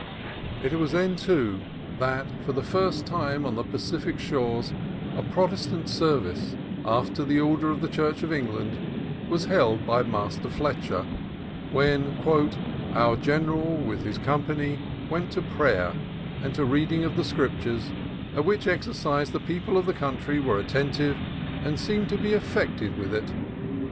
It was then, too, that for the first time on the Pa cific shores a Protestant service, after the order of the Church of England, was held by Master Fletcher; when "our General with his company went to prayer, and to reading of the Scriptures, at which exercise the people of the country were attentive, and seemed greatly to be affected with it."